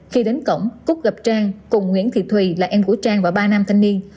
khi đến cổng cúc gặp trang cùng nguyễn thị thùy là em của trang và ba nam thanh niên